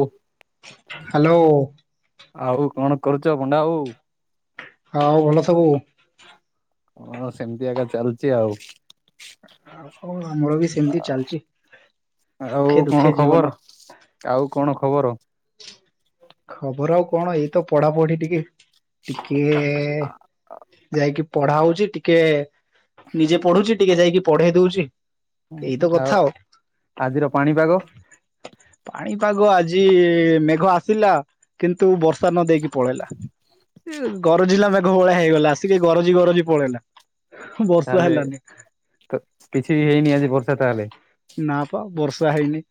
ଓ hello. ଆଉ କଣ କରୁଛ ଭଣ୍ଡା ଆଉ। ହଉ ଭଲ ସବୁ ହଁ ସେମିତି ଆଜ୍ଞା ଚାଲିଛି ଆଉ ଆଉ କଣ ହଁ ଆମର ବି ସେମିତି ଚାଲିଛି ଆଉ ସୁଖେ କଣ ଦୁଃଖେ ଖବର ଜୀବନ ଆଉ କଣ ଖବର ଖବର ଆଉ କଣ ଏଇତ ପଢାପଢି ଟିକେ ଟିକେ ଯାଇକି ପଢା ହଉଚି ଟିକେ ନିଜେ ପଢୁଛି ଟିକେ ଯାଇକି ପଢେଇ ଦଉଛି ଏଇତ ହୁଁ ଆଉ କଥା ଆଜିର ପାଣିପାଗ ପାଣିପାଗ ଆଜି ମେଘ ଆସ ଆସିଲା କିନ୍ତୁ ବର୍ଷା ନ ଦେଇେକି ପଳେଇଲା, ହୁଁ ଗରଜିଲା ମେଘ ଭଳିଆ ହେଇଗଲା ଆସିକି ଗରଜି ଗରଜି ପଳେଇଲା, ବର୍ଷା ତାହେଲେ ହେଲାନି କିଛି ହେଇନି ଆଜି ବର୍ଷା ତାହେଲେ, ପା ବର୍ଷା ନା ହେଇନି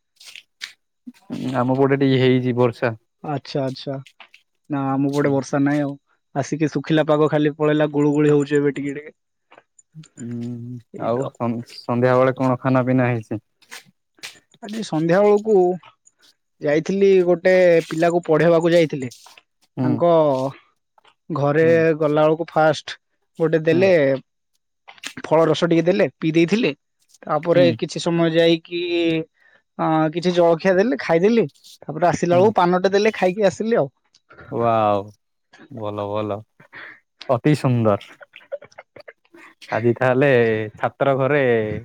ଆମ ପଟେ ଟିକେ ହେଇଛି ବର୍ଷା ଆଚ୍ଛା ଆଚ୍ଛା, ନା ଆମ ପାଟେ ବର୍ଷା ନାହିଁ ଆଉ ଆସିକି ଶୁଖିଲା ପାଗ ଖାଲି ପଳେଇଲା ଗୁଳ ଗୁଳି ହଉଛି ଏବେ ଟିକେ ଟିକେ, ହୁଁ ଏଇ ତ ଆଉ ସନ୍ଧ୍ୟା ବେଳେ କଣ? ଖାନା ପିନା ହେଇଛି, ଆଜି ସନ୍ଧ୍ୟା ବେଳକୁ ଯାଇଥିଲି ଗୋଟେ ପିଲାକୁ ପଢେଇବାକୁ ଯାଇଥିଲି ହୁଁ ତାଙ୍କ ଘରେ ହୁଁ ଗଲା ବେଳକୁ ଫାଷ୍ଟ ଗୋଟେ ହୁଁ ଦଲେ ଫଳ ରସ ଟିକେ ଦେଲେ ପିଇ ଦେଇଥିଲି, ତାପରେ ହୁଁ କିଛି ସମୟ ଯାଇ କି ଅ କିଛି ଜଳଖିଆ ଦେଲେ ଖାଇଦେଲି, ତାପରେ ଆସିଲା ହୁଁ ବେଳୁ ପାନଟେ ଦେଲେ ଖାଇକି ଆସିଲି ଆଉ, ୱାଓ ଭଲ ଭଲ। ଅତି ସୁନ୍ଦର ଆଜି ତାହେଲେ ଛାତ୍ର ଘର ରେ ଏ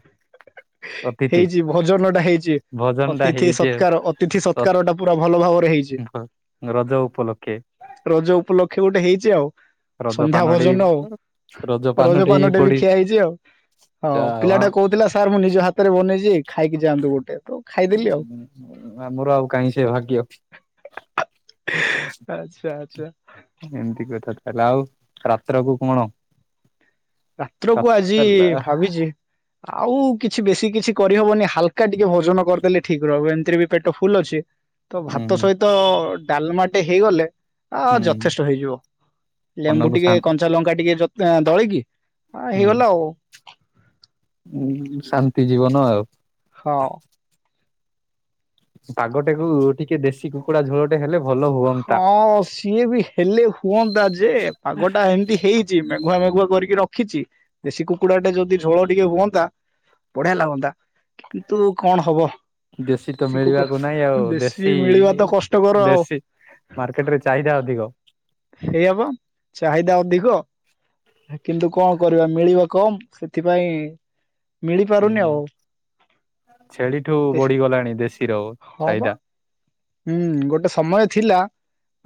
ହେଇଛି ଭୋଜନ ଟା ହେଇଛି ଭୋଜନ ଟା ଅତିଥି ହେଇଛି ସତ୍କାର ଅତିଥି ସତ୍କାର ଟା ପୁରା ଭଲ ଭାବରେ ହେଇଛି, ରଜ ଉପଲକ୍ଷେ। ରଜ ଉପଲକ୍ଷେ ଗୋଟେ ହେଇଛି ଚି ଆଉ, ରଜ ସନ୍ଧ୍ୟା ପାନଟି ଭୋଜନ ଆଉ ରଜ ପାନଟି ରଜପାନଟେ ବି ପଡି ଖିଆ ହେଇଛି ଆଉ, ହଉ ଯାଉ ପିଲାଟା କହୁଥିଲା ସାର୍ ମୁଁ ନିଜ ହାତରେ ବନେଇଛି ଖାଇକି ଯ। ଗୋଟେ। ତ ଖାଇଦେଲି ଆଉ। ଆମର ଆଉ କାହିଁ ସେ ଭାଗ୍ୟ। ଆଚ୍ଛା ଆଚ୍ଛା। ଏମିତି କଥା ତାହଲା ଆଉ ରାତ୍ରକୁ କଣ। ରାତ୍ର କୁ ଆଜି ହୁଁ ଭାବିଛି। ଆଉ କିଛି ବେଶୀ କିଛି କରିହବନି ହାଲକା ଟିକେ ଭୋଜନ କରିଦେଲେ ଠିକ ରହିବ ଏମିତିରେ ବି ପେଟ ଫୁଲ ଅଛି। ତ ଭାତ ହୁଁ ସହିତ ଡାଲମାଟି। େ ହେଇଗଲେ। ଆ ହୁଁ ଯଥେଷ୍ଟ ହେଇଯିବ ଲେମ୍ବୁ ମନକୁ ଶା ଟିକେ କଞ୍ଚା ଲଙ୍କା ଟିକେ ଦଳ କିି। ହଁ ହେଇଗଲା ଆଉ। ଉ ଶାନ୍ତି ଜୀବନ ଆଉ। ହଁ। ପାଗଟାକୁ ଟିକେ ଦେଶୀ କୁକୁଡା ଝୋଳଟେ ହେଲେ। ଭଲ ହୁଅନ୍ତା ହଁ ସିଏ ବି ହେଲେ ହୁଅନ୍ତା ଯେ ପାଗ ଟା ଏମତି ହେଇ। ମେଘୁଆ ମେଘୁଆ କରିକି ରଖିଛି ଦେଶୀ କୁକୁଡା ଟା ଯଦି ଝୋଳ ଟିକେ ହୁଅନ୍ତା ବଢିଆ ଲାଗନ୍ତା କିନ୍ତୁ କଣ ହବ। ଦେଶୀ ତ ମିଳିବାକୁ ନାହିଁ ଆଉ ଦେଶୀ ମିଳିବା ତ କଷ୍ଟକର ଆଉ ଦେଶୀ। ମାର୍କେଟ ରେ ଚାହିଦା ଅଧିକ। ହେଇ ହବ ଚାହିଦା ଅଧିକ କିନ୍ତୁ କଣ କରିବା ମିଳିବା କମ ସେଥିପାଇଁ। ହୁଁ ମିଳିପାରୁନି ଆଉ ଛେଳିଠୁ ବଢିଗଲାଣି ଦେଶୀର ହଁ ବା ଚାହିଦା। ହୁଁ ଗୋଟେ ସମୟ ଥିଲା।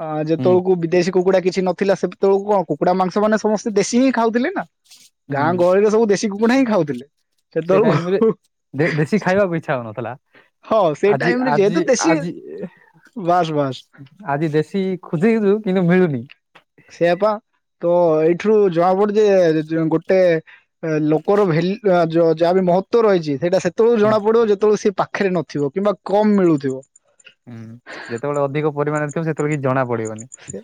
ହଁ ହୁଁ ଯେତେବେଳକୁ ଦେଶୀ କୁକୁଡ଼ା। କିଛି ନଥିଲା ସେ ତବେଳକୁ କଣ କୁକୁଡା ମାଂସ ମାନେ ସମସ୍ତେ ଦେଶୀ ହିଁ ଖାଉଥିଲେ ନା। ହୁଁ ଗାଁ ଗହଳିରେ ସବୁ ଦେଶୀ। ବୁଢା ହିଁ ଖାଉଥିଲେ। ସେ ସେତେଳ ଟାଇମ ରେ ଦେଶୀ ଖାଇବାକୁ ଇଚ୍ଛା ହଉନଥିଲା ହଁ ସେ ଆଜି ଟାଇମ ରେ ଆଜି ଯେହେତୁ ଦେଶୀ। ଆଜି ବାସ୍ ବାସ୍ ଆଜି ଦେଶୀ ଖୋଜଛୁ କିନ୍ତୁ ମିଳୁନି। ସେଇଆପା ତ ଏଇଠରୁ ଜଣା ପଡୁ ଯେ ଗୋଟେ ଲୋକର ଭଲ ଯାହା ବି ମହତଵ ରହିଛି ସେଇଟା ସେ। ଯେତେଳଳେ ହୁଁ ଜଣାପଡିବ ଯେତବେଳେ ସେ ପା। ପାଖରେ ନଥିବ କିମ୍ବା କମ ମିଳୁଥିବ। ହୁଁ ଯେତେବେଳେ ଅଧିକ ପରିମାଣରେଥିବ ସେତେବେଳେ କିଛି ଜଣା। ପଡିବନି। ସେ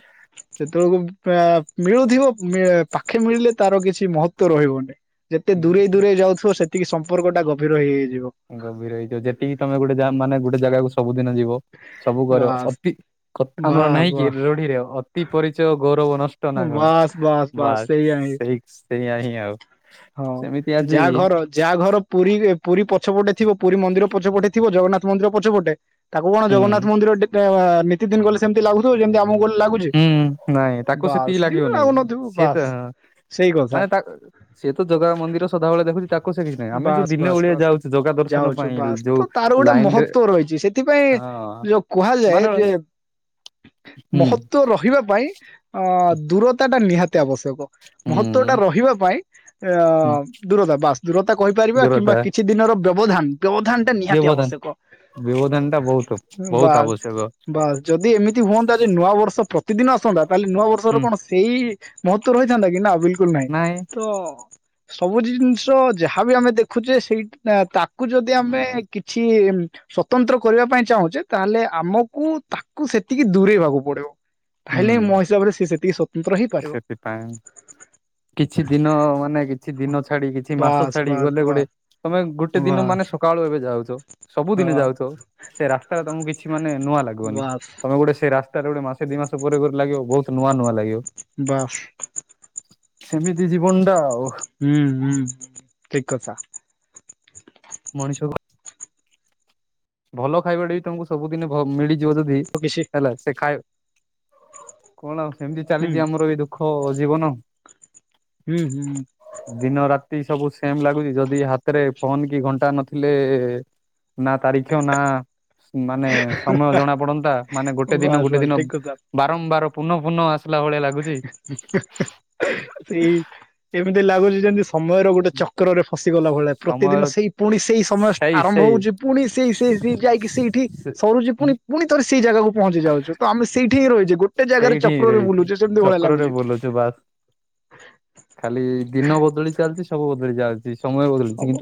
ସେତେବେଳକୁ। ଆ ମିଳୁଥିବ ପାଖେ ମିଳିଲେ ତାର କିଛି ମହତଵ ରହିବନି। ଯେତେ ଦୂରେଇ ଦୂରେଇ ଯାଉଥିବ ସେ। ଟିକେ ସମ୍ପର୍କଟା ଗଭୀର ହେଇଯାଇଛି। ଗଭୀର ହେଇଯିବ ଯେତିକି ତମେ ଗୋଟେ ମାନେ ଗୋଟେ ଜାଗାକୁ। ସବୁଦିନ ଯିବ। ସବୁ କରିବ ବାସ୍ ଅତି ଆମର ବାସ୍ ନାହିଁ କି ବାସ୍ ରଢିରେ ଅତି ପରିଚୟ ଗୌରବ ନଷ୍ଟ। ନା କଣ ବାସ୍ ବାସ୍ ବାସ୍ ସେଇ ଆଣି। ସେଇା ହିଁ ଆଉ। ହଁ ସେମିତି ଆଜି ଯାହା ଘର ଯାହା ଘର ପୁରୀ। ପୁରୀ ପଛପଟେ ଥିବ ପୁରୀ ମନ୍ଦିର ପଛପଟେ ଥିବ ଜଗନ୍ନାଥ ମନ୍ଦିର ପଛପଟେ। ତାକୁ କଣ ହୁଁ ଜଗନ୍ନାଥ ମନ୍ଦିର ନିତି ଦିନ ଗଲେ ସେମିତି ଲାଗୁଥିବ ଯେମିତି ଆମ ଗଲେ। ଲାଗୁଛି ହୁଁ ନାଇଁ ତାକୁ ବାସ୍ ସେତିକି ଲାଗିବ ନାହିଁ ଲାଗୁନଥିବ ସିଏ ତ ବାସ୍ ହ ସେଇ କଥା ମାନେ ତା ସିଏ ତ। ଜଗା ମନ୍ଦିର ସଦାବେଳେ ଦେଖୁଛି। ତାକୁ ସେ କିଛି ନାହିଁ ଆମେ ଯୋଉ ବାସ୍ ଦିନେ ବାସ୍ ଓଳିଆ ବାସ୍ ଯାଉଛୁ ଜଗା ଦର୍ଶନ ଯାଉଛୁ ପାଇଁ ବାସ୍ ଯୋଉ ତ ତାର ଗୋଟେ ଲାଇନ ରେ ମହତ୍ତ୍ଵ ରହିଛି ସେଥିପାଇଁ ହଁ ଯୋଉ କୁହାଯାଏ ମାନେ ହୁଁ ଯେ ମହତ୍ଵ ରହିଛି। ରହିବା ପାଇଁ ଅ ଦୂରତା ଟା ନିହାତି ଆବଶ୍ୟକ। ମହତ୍ଵ ଟା ହୁଁ ରହିବା ପାଇଁ ହୁଁ ଅ ଦୂରତା ବାସ ଦୂରତା କହିପାରିବା କିମ୍ବା ଦୂରତା କିଛି ଦିନ ବ୍ୟବଧାନ ବ୍ୟବଧାନ ଟା ନିହାତି ବ୍ୟବଧାନ ଆବଶ୍ୟକ ବ୍ୟବଧାନ ଟା ବହୁତ ବହୁତ ବାସ୍ ଆବଶ୍ୟକ ବାସସ୍ ଯଦି ଏମିତି ହୁଅନ୍ତା ଯେ ନୂଆବର୍ଷ ପ୍ରତିଦିନ ଆସନ୍ତା। ତାହଲେ ନୂଆବର୍ଷର ହୁଁ କଣ ସେଇ ମହତ୍ତ୍ଵ ରହିଥାନ୍ତା କି ନା ବିଲକୁଲ ବିଲ୍କୁଲ ନାହିଁ ନାଇଁ ତ ସବୁ ଜିନିଷ ଯାହାବି ଆମେ ଦେଖୁଛେ ସେଇ ତାକୁ ଯଦି ଆମେ କିଛି ସ୍ଵତନ୍ତ୍ର କରିବା ପାଇଁ ଚାହୁଁଛେ ତାହେଲେ ଆମକୁ ତାକୁ ସେତିକି ଦୂରେଇବାକୁ ପଡିବ। ଭାଇଲେ ମୋ ହୁଁ ହିସାବରେ ସେ ସେ ଦିସ ସେଥିପାଇଁ କିଛି ଦିନ ମାନେ କିଛି ଦିନ ଛାଡି କିଛି ମାସ ବାସ୍ ଛାଡି। ବାସ୍ ଗଲେ ଗୋଟେ ବାସ୍। ତମେ ଗୋଟେ ଦିନ ବାସ୍ ମାନେ ସକାଳୁ ଏବେ ଯାଉଛ। ସବୁଦିନ ହଁ ଯାଉଛ ସେ ରାସ୍ତା ଟା ତମକୁ କିଛି ମାନେ ନୂଆ ଲାଗିବନି ବାସ୍ ତମେ ଗୋଟେ ସେ ରାସ୍ତା ଗୋଟେ ମାସେ ଦି ମାସ ପରେ ଗଲେ ବହୁତ ନୂଆ ନୂଆ ଲାଗିବ। ବାସ୍ ସେମିତି ଜୀବନ ଟା ଆଉ । ହୁଁ ହୁଁ ଠିକ କଥା। ମଣିଷକୁ ଭଲ ଖାଇବାଟା ବି ତମକୁ ସବୁଦିନ ମିଳିଯିବ ଯିବ ଯଦି କିଛି ହେଲା ସେ ଖାଇବା କଣ ଆଉ ସେମିତି ହୁଁ ଚାଲିଛି ଆମର ବି ଦୁଃଖ ଜୀବନ। ହୁଁ ହୁଁ। ଦିନ ରାତି ସବୁ ସେମ ଲାଗୁଛି ଯଦି ହାତରେ ଫୋନ କି ଘଣ୍ଟା ନଥିଲେ ନା ନା ମାନେ ସମୟ ଜଣା ପଡନ୍ତା ମାନେ ଗୋଟେ ଦିନ ବାସ୍ ଗୋଟେ ବାସ୍ ଦିନ ଠିକ କଥା। ବାରମ୍ବାର ପୁନ ପୁନ ଆସ ସେଇ ଏମିତି ଲାଗୁଛି ଯେମିତି ସମୟର ଗୋଟେ ଚକ୍ରରେ ଫଶି ଗଲା ଭଳିଆ ପ୍ରତିଦିନ ସମୟର ସେଇ ପୁଣି ସେଇ ସମୟ ସେଇ ଆରମ୍ଭ ସେଇ ହଉଛି ପୁଣି ସେଇ ସେଇ ସେଇ ଯାଇକି ସେଇଠି ସରୁଛି ପୁଣି ପୁଣି ଥରେ ସେଇ ଜାଗାକୁ ପହଞ୍ଚି ଯାଉଛ ତ ଆମେ ସେଇ ସେଇଠି ହିଁ ରହିଛେ। ଗୋଟେ ଜାଗାରେ ସେଇଠି ହିଁ ଚକ୍ରରେ ରହିଛି ବୁଲୁଚେ ଚକ୍ରରେ ବୁଲୁଛୁ ବାସ୍ ଖାଲି ଦିନ ବଦଳି ଚାଲିଛି ସବୁ ବଦଳି ଯାଉଛି। ହବ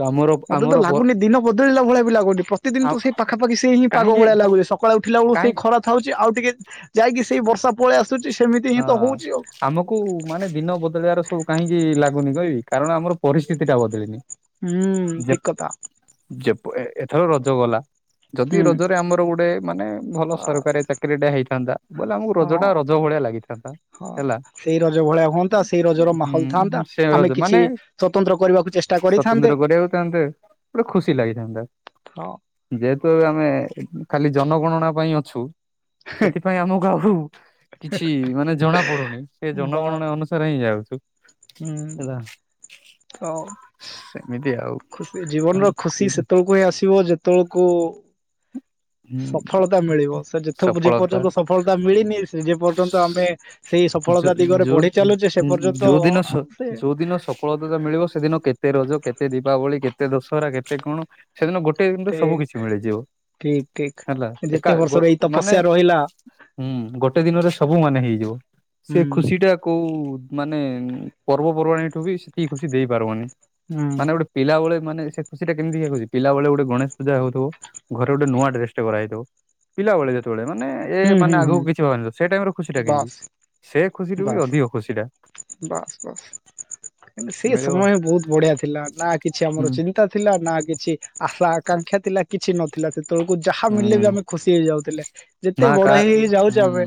ମତେ ତ ଲାଗୁନି ଦିନ ବଦଳିଲା ଭଳିଆ ବି ଲାଗୁନି ।ପ୍ରତିଦିନ ଆ ତୁ ସେଇ ପାଖାପାଖି ସେଇ ହିଁ ପାଗ କାହିଁକି ଭଳିଆ ଲାଗୁଛି ।ସକାଳୁ ଉଠିଲା ବେଳକୁ କାହିଁ ସେଇ ଖରା ଥାଉଛି ଆଉ ଟିକେ ଯାଇକି ସେଇ ବର୍ଷା ପଳେଇ ଆସୁ ହଁ ଆମକୁ ମାନେ ଦିନ ବଦଳେଇବାର ସବୁ କାହିଁକି ଲାଗୁ ଲାଗୁନି କହିବି କାରଣ ଆମର ପରିସ୍ଥିତି ଟା ବଦଳିନି। ହୁଁ ଯେ ଠିକ କଥା। ଯେ ଏଥର ରଜ ଗଲା ଯଦି ହୁଁ ରଜରେ ଆମର ଗୋଟେ ମାନେ ଭଲ ସରକାରୀ ଚାକିରି ଟା ହେଇଥାନ୍ତା ବୋଇଲେ ଆମକୁ ରଜ ହଁ ଟା ରଜ ଭଳିଆ ଲାଗେ। ହଁ ସେଇ ରଜ ଭଳିଆ ହୁଅନ୍ତା ସେଇ ରଜର ମାହୋଲ ଥାଆନ୍ତା ହୁଁ ସେ ରଜ ଆମେ କିଛି ମାନେ ସ୍ଵତନ୍ତ୍ର କରିବାକୁ ଚେଷ୍ଟା ସ୍ଵତନ୍ତ୍ର କରିଥାନ୍ତେ। କରିବାକୁ ଚାହାନ୍ତେ ଗୋଟେ ହଁ ଏ ଆମେ ଖାଲି ଜନଗଣନା ପାଇଁ ଅଛୁ ସେଥିପାଇଁ ଆମକୁ ଆଉ କିଛି ମାନେ ଜଣା ପଡୁନି ସେ ଜନଗଣନା ଅନୁସାରେ ହିଁ ଯାଉଛୁ। ହୁଁ ହୁଁ ହେଲା ତ ସେମିତି ଆଉ ଖୁସି ଜୀବନ ର ଖୁସି ସେତେବେଳକୁ ହିଁ ଆସିବ ଯେତେବେଳକୁ ସଫଳତା ମିଳିବ ସେ ଯେ ଯେ ସଫଳତା ପର୍ଯ୍ୟନ୍ତ ସଫଳତା ମିଳିନି ଯେ ପର୍ଯ୍ୟନ୍ତ ଆମେ ସେଇ ଯ ସଫଳତା ଦିଗରେ ଯୋଉ ବଢି ଚାଲୁଛେ ସେ ପର୍ଯ୍ୟନ୍ତ ଯୋଉ ଦିନ ଆଉ ସେ ଯୋଉ ଦିନ ସଫଳତା ମିଳିବ ସେଦିନ କେତେ ରଜ କେତେ ଦୀପାବଳି କେ କେତେ ଦଶହରା କେତେ କଣ ସେଦିନ ଗୋଟେ ଦିନରେ ସବୁ ଠିକ କିଛି ମିଳିଯିବ ଠିକ ଠିକ। ହେଲା। ଏକା ଯେତେ ବର୍ଷର ଏଇ ମାନେ ତପସ୍ୟା ରହିଲା ହୁଁ ଗୋଟେ ଦିନରେ ସବୁ ସବୁ ମାନେ ହେଇଯିବ। ସେ ହୁଁ ଖୁସି ଟା କୋଉ ମାନେ ପର୍ବପର୍ବାଣୀ ଠୁ ବି ସେତିକି ଖୁସି ଦେଇ ପାରିବନି। ହୁଁ ମାନେ ଗୋଟେ ପିଲାବେଳେ ମାନେ ସେ ଖୁସି ଟା କେମିତି ଇଏ କରିଚି ପିଲାବେଳେ ଗୋଟେ ଗଣେଶ ପୂଜା ହଉଥିବ ଘରେ ଗୋଟେ ନୂଆ ଡ୍ରେସ ଟା କରା ହେଇଥିବ ପିଲାବେଳେ ଯେତେବେଳେ ମାନେ ଏ ହୁଁ ମାନେ ହୁଁ ଆଗକୁ ହୁଁ କିଛି ସେଇ ଭବା ହେଇନଥିବ ଟାଇମରୁ ଖୁସିଟା କେମତି ବାସ୍ ବାସ୍ ବାସ୍ ବାସ୍ ସେ ମିଳିବ ସମୟ ବହୁତ ବଢିଆ ଥିଲା ନା କିଛି ଆମର ହୁଁ ଚିନ୍ତା ଥିଲା ନା କିଛି ଆଶା ଆକାଂକ୍ଷା ଥିଲା କିଛି ନଥିଲା। ସେତେବେଳକୁ ଯାହା ମିଳିଲେ ବି ହୁଁ ଆମେ ଖୁସି ହେଇ ଯାଉଥିଲେ ନା ।ଯେତେ କା ବଡ ହେଇ ହେଇ ଯାଉଛେ ହୁଁ ଆମେ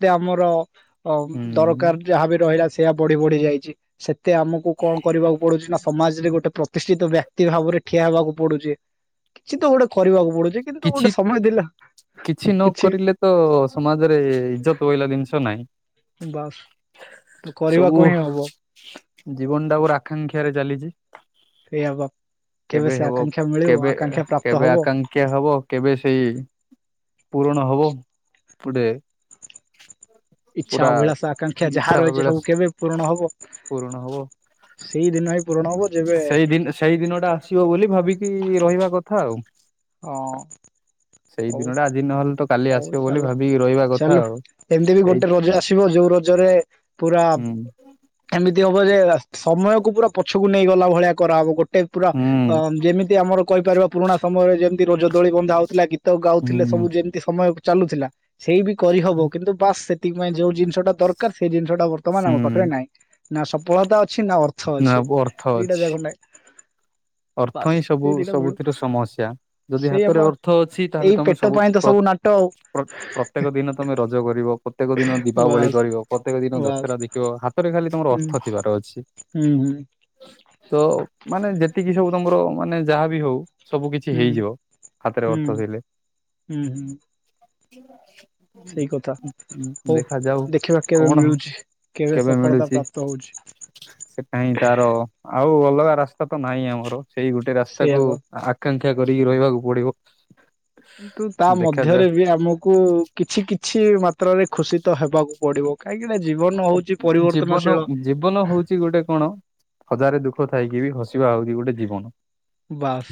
ଏ ଆମର ହ ହୁଁ ଦରକାର ଯାହା ବି ରହିଲା ସେଇଆ ବଢି ବଢି ଯାଇଛି। ସେ ଏତେ ଆମକୁ କଣ କରିବାକୁ ପଡୁଛି ନା ସମାଜରେ ଗୋଟେ ପ୍ରତିଷ୍ଠିତ ବ୍ୟକ୍ତି ଭାବରେ ଠିଆ ହେବାକୁ ପଡୁଛି କିଛି ତ ଗୋଟେ କରିବାକୁ ପଡୁ କିଛି କିଛି ନ କରିଲେ ତ ସମାଜରେ ଇଜ୍ଜତ ବୋଇଲେ ଜିନିଷ ନାହିଁ। ବାସ୍ ତ କରିବାକୁ ହିଁ ହବ। ତାକୁ ରାଆକାଂକ୍ଷାାରେ ଚାଲିଛି। ସେଇଆ ବା କେବେ ସେ ଆକାଂକ୍ଷା ମିଳିବ ଆକାଂକ୍ଷା ପ୍ରାପ୍ତ ହବ। କ କେବେ ସେଇ ପୂରଣ ହବ ଗୁଟେ ଇଚ୍ଛା, ଅଭିଳାଷା, ଆକାଂକ୍ଷା ଯାହା ରହିଛି ସବୁ ଅଭିଳାଷ କେବେ ପୂରଣ ହବ? ସେଇ ଦିନ ଏ ସେଇଦିନ୍ ସେଇଦିନ ଟା ଆସିବ ବୋଲି ଭାବିକି ରହିବା କଥା ଆଉ। ହଁ ସେଇ ହଉ ଦିନଟା ଆଜି ନହେଲେ ତ କାଲି ହଉ ଆସିବ ବୋଲି ଚାଲୁ ଭାବିକି ରହିବା କଥା ଚାଲୁ ଆଉ ଏମିତି ବି ଏଇ ଗୋଟେ ରଜ ଆସିବ ଯୋଉ ରଜରେ ପୁରା ହୁଁ ଏମିତି ହବ ଯେ ଏ ଫାଷ୍ଟ ସମୟ କୁ ପୁରା ପଛକୁ ନେଇଗଲା ଭଳିଆ କରା ହବ ଗୋ ଟେ ପୁରା ହୁଁ ଯେମିତି ଆମର କହିପାରିବ ପୁରୁଣା ସମୟରେ ଯେମ୍ ରଜଦୋଳି ବନ୍ଧା ହଉଥିଲା ଗୀ ତ ଗାଉଥିଲେ ସବୁ ହୁଁ ଯେମ୍ ମ କୁ ଚାଲୁଥିଲା ସେଇବି କରି ହବ କିନ୍ତୁ ବାସ୍ ସେ ତିକ୍ ପାଇଁ ଯୋଉ ଜିନିଷଟା ଦରକାର ସେ ଜିନି ଜଉଟା ବର୍ତ୍ତମାନ ଆମ ହୁଁ ପାଖରେ ନିହିଁ। ନା ସଫଳତା ଅ ଛିନା ଅର୍ଥ ନା ଅଛି ଅର୍ଥ ଦିଟା ଅଛି ଯାକ ନାଇ। ଅର୍ଥ ହିଁ ସବୁ ସବୁଥିର ସମସ୍ୟା ଯଦି ହାତରେ ସେଇଆପା ଅର୍ଥ ଅଛି ତାହେଲେ ଏଇ ତମେ ପେଟ ସବୁ୍ ପାଇଁ ତ ପ୍ର ସବୁ ନାଟ ଆଉ ପ୍ର-ପ୍ରତ୍ୟେକ ଦିନ ତମେ ରଜ କରିବ। ପ୍ରତ୍ୟେକ ଦିନ ଦୀପାବଳି ବାସ୍ କରିବ ପ୍ରତ୍ୟେକ ଦିନ ବାସ୍ ଦଶହରା ଦେଖିବ ହାତ ରେ ଖାଲି ତମର ହୁଁ ଅର୍ଥ ଥିବାର ଅଛି ହୁଁ ହୁଁ ତ ମାନେ ଯେ ଏତିକି ସବୁ ତମର ମାନେ ଯାହା ବିି ହଉ ସବୁ କିଛି ହୁଁ ହେଇଯିବ ହାତରେ ହୁଁ ଅର୍ଥ ଥିଲେ। [inaudible] ହୁଁ ହୁଁ ସେଇ କଥା ହଉ ଦେଖାଯାଉ ଦେଖିବା କେବେ କଣ ମିଳୁଛି କେବେ ସଫଳତା ମିଳୁଚି? ପ୍ରାପ୍ତ ହଉଛି ସେ କାହିଁ ତାର ଆଉ ଅଲଗା ରାସ୍ତା ତ ନାହିଁ ଆମର ସେଇ ଗୋଟେ ରାସ୍ତାକୁ ସେଇଆବା ଆକାଂକ୍ଷା୍ ଶିକ୍ଷା କରିକି ରହିବାକୁ ପଡିବ। ତୁ ତା ଦେଖାଯାଉ ମଧ୍ୟରେ ବି ଆମକୁ କିଛି କି୍ କିଛି ମାତ୍ରରେ ଖୁସି ତ ହେବାକୁ ପଡିବ କାଇକି ଜୀବନ ଜୀବନ ହଉଛି ଗୋଟେ କଣ ହଜାରେ ଦୁଃଖ ଥାଇକି ବି ହସିବା ହଉ। ବାସ୍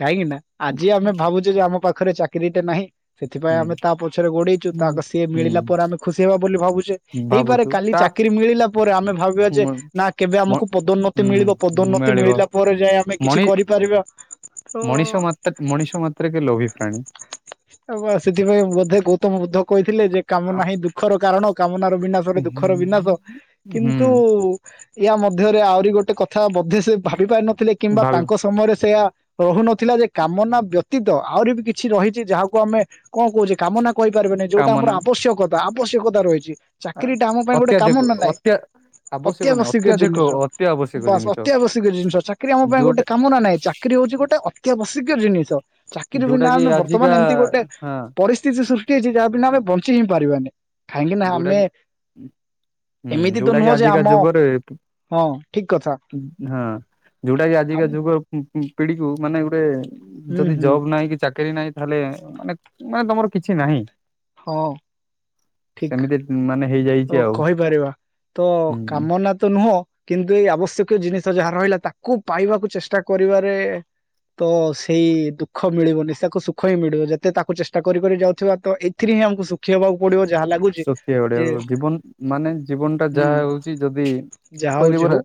କାହିଁକି ନା ଆଜି ଆମେ ଭାବୁଛେ ଯେ ଆମ ପାଖରେ ଚାକ୍ କ୍ରିଟା ନାହିଁ। ସେଥିପାଇଁ ହୁଁ ଆମେ ତା ପଛରେ ଗୋଡେଇଛୁ ହୁଁ ତା ସିଏ ମିଳିଲା ପରେ ହୁଁ ଆମେ ଖୁସି ହେବା ବୋଲି ଭାବୁଛେ ହେଇପାରେ ଭାବୁଛୁ କାଲି ତା ଚାକିରି ମିଳିଲା୍ ପରେ ଆମେ ଭ ଭାବିବା ଯେ ମ ନା କେବେ ମ ଆମକୁ ପଦୋନ୍ନତି ହୁଁ ମିଳିବ ପଦୋନ୍ନ୍ ମିଳିବ ମିଳିଲା ପରେ ଯାଏ ଆମେ କିଛି ମଣି କରିପାରିବା ତ ମଣିଷ ମାତ୍ର ମଣିଷ ମାତ୍ରକେ ଲୋଭୀ ପ୍ରାଣୀ ସେଥିପାଇଁ ବୋଧେ ଗୌତମ ବୁଦ୍ଧ ଥିଲେ ଯେ କାମ ନାହିଁ ଦୁଃଖର କାରଣ। ମନାର ବିନାଶ ଦୁଃଖର ବିନାଶ ହୁଁ କିନ୍ତୁ ୟା ମଧ୍ୟରେ ଆହୁରି ଗୋଟେ କଥା ବୋଧେ ସେ ଭାବିିପାରୁନ ଥିଲେ କିମ୍ବା ଭାବି ତାଙ୍କ ସମୟରେ ସେଆ ରହୁନଥିଲା ଯେ କାମନା ବ୍ୟତୀତ ଆହୁରି ବି କିଛି ରହିଛି ଯାହାକୁ ଆମେ କଣ କହୁଛେ କାମନା କହିପାରିବନି ଯଉଟା ଆମର କାମନା ଆବଶ୍ୟକ ତା ଆବଶ୍ୟକତା ରହିଛି। ଚାକିରୀ ଟା ଆମ ପାଇଁ ଗୋଟେ ଅତ୍ୟାଧିକ କାମନା ନାଇଁ ଅତ୍ୟା ଆବଶ୍ୟକ ନାହିଁ ଅତ୍ୟାବଶ୍ୟକୀୟ ଅତ୍ୟାଧିକ ଜିନିଷ ଅତି ଆବଶ୍ୟକ ବାସ୍ ଜିନିଷ ଅତ୍ୟାବଶ୍ୟକ। ଜିନିଷ ଚାକିରି ଆମ ପାଇଁ ଗୋଟ ଯୋଉଟା କାମ ନା ନାହିଁ ଚାକିରି ହଉଛି ଗୋଟେ ଅ କେ ବସିକ ଜିନିଷ ଚାକିର ଯୋଉଟା ବିନା କି ଆମେ ବର୍ତ୍ତମାନ ଆଜିକା ଏମିତି ଗୋଟେ ହଁ ପରିସ୍ଥିତି ସୃଷ୍ଟି ହେଇଛି ଯାହା ବିନା ଆମେ ବଞ୍ଚିହିଁ ପାରିବାନି। କାହିଁକି ନା ଯୋଉଟା ଆମେ କି ହୁଁ ଏମିତି ତ ଯୋଉଟା କି ନୁହଁ ଯେ ଆଜିକା ଆମ ଯୁଗରେ ହଁ ଠିକ କଥା ହଁ ଯୋଉଟା କି ଆଜିକା ଆମ ଯୁଗ ହୁଁ ପିଢିକୁ ମାନେ ଗୋଟେ ହୁଁ ଯଦି ହୁଁ ଜବ୍ ନାହିଁ କି ଚାକ କିରି ନହିଁ ତାହଲେ ମାନେ ମାନେ ତମର କିଛି ନାହିଁ। ହଁ ଠିକ ସେମିତି ମାନେ ହେଇଯାଇଛି ଓ ଆଉ କହିପାରିବା ତ ହୁଁ। କାମନା ତ ନୁହଁ କିନ୍ତୁ ଏଇ ଆବଶ୍ୟକୀୟ ଜିନିଷ ଯାହା ରହିଲା ତାକୁ ପାଇବାକୁ ଚେଷ୍ଟା କରିବାରେ ତ ସେଇ ଦୁଃଖ ମିଳିବନି ତାକୁ ସୁଖ ହିଁ ମିଳିବ ଯେତେ ତାକୁ ଚେଷ୍ଟା କରିି କରି ଯାଉଥିବା ତ ଏଥିରେ ହିଁ ଆମକୁ ସୁଖୀ ହବାକୁ ପଡିବ ଯେ ଯାହା ଲାଗୁଛି ଯଉ ଜୀବନ ମାନେ ଜୀବନ ଟା ହୁଁ ଯାହା ହଉଛି ଯଦି ଯାହା କହିଲି ହଉଛି ପରା ହଉ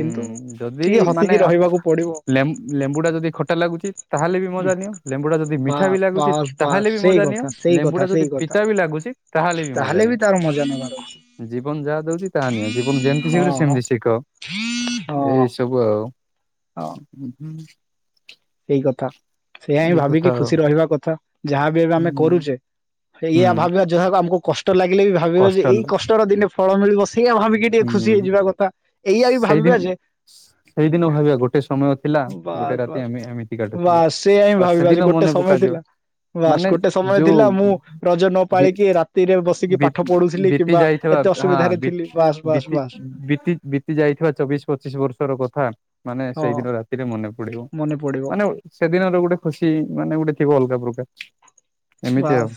ହୁଁ ଯଦି ଟିକେ ମାନେ ହସିକି ରହିବାକୁ ଆପ ପଡିବ ଲେମ୍ବୁ ଟା ଯଦି ଖଟା ଲାଗୁଛି ତାହେଲେ ବି ହୁଁ। ମଜା ନିଅ ଲେମ୍ବୁ ଟା ଯଦି ମିଠା ବି ବାସ୍ ଲାଗୁଛି ବାସ୍ ବାସ୍ ତାହେଲେ ବି ସେଇ ମଜା ନିଅ କଥା ସେଇ ଲେମ୍ବୁ କଥା ଟା ଯଦି ସେଇ କଥା ପିତା ବି ଲାଗୁଛି ତାହଲେ ବି ମଜା ତାହେଲେ ନିଅ ତାର ମଜା ନେବାର ଅଛି । ଜୀବନ ଯାହା ଦଉଛି ତାହା ନିଅ ଜୀବନ ଯେମିତି ହଁ ଶିଖୁରି ହଁ ସେମତି ଶିଖ ହଁ ଏଇ ସବୁ ଆଉ। [unintelligible] ହୁଁ [unintelligible] ଏଇ କଥା ସେଇୟା ହିଁ ଏଇ କଥା ଭାବିକି ଆଉ ଖୁସି ରହିବା କଥା ଯାହାବି ଏବେ ଆମେ ହୁଁ କରୁଚେ ସେଇୟଆ ହୁଁ ଭାବିବା ଯହା ଆମକୁ କଷ୍ଟ କଷ୍ଟ ଲାଗିଲେ ବି ଭାବିବ କଷ୍ଟ ଯେ ଏଇ ହେଲା। କଷ୍ଟର ଦିନେ ଫଳ ମିଳିବ । ସେଇଆ ଭାବିକି କିଏ ଟିକେ ଖୁସି ହେଇଯିବା କଥା? ଏଇଆ ବି ଭାବିବା ଯେ ସେଇଦିନଟି ସେଇଦିନ ଭାବିବା ଗୋଟେ ସମୟ ଥିଲା ବାସ୍ ଗୋଟେ ରାତି ବାସ୍ ଆମେ ଏମିତି କାଟୁଥିଲୁ ବାସ୍ ସେଆ ହଁ ଭାବିବା ଯେ ସେଦିନ ଗୋଟେ ମନେ ସମୟ ପକାଯିବ ଥିଲା ବାସ୍ ମାନେ ଗୋଟେ ସମୟ ଯୋଉ ଥିଲା ମୁଁ ରଜ ନ ବି ପାଳିକି ରାତିରେ ବସିକି ବି ପାଠ ପଢୁଥିଲି ବିତି କିମ୍ବା ଯାଇଥିବା ଏତେ ହଁ ଅସୁବିଧାରେ ବି ଥିଲି ବାସ୍ ବାସ୍ ବିତି ବାସ୍ ବିତି ବିତି ଯାଇଥିବା ଚବିଶ ପଚିଶ ବର୍ଷର କଥା ମାନେ ହଁ ସେଇଦିନ ରାତିରେ ମନେ ପ ଡିବ ମନେ ପଡିବ ମାନେ ସେଦିନର ଗୋଟେ ଖୁସି କି ମାନେ ଗୋଟେ ଥିବ ଅଲଗା ପ୍ରକା ବାସ୍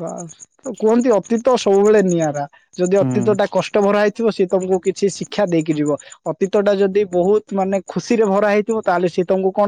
ବାସ୍ କୁହନ୍ତି ଅତିକ୍ତ ସୁ ସବୁବେଳେ ନିଆରା ଯଦି ହୁଁ। ଅତୀତ ଟା କଷ୍ଟ ଭରା ହେଇ ଥିବ ସିଏ ତମକୁ କିଛି ଶିକ୍ଷା ଦେଇକି ଯିବ। ଅତୀତ ଟା ଯଦି ବହୁତ ମାନେ ଖୁସିରେ ଭରା ହେଇଥିବ ତାହେଲେ ସିଏ ତମକୁ କଣ